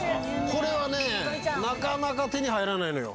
これがね、なかなか手に入らないのよ。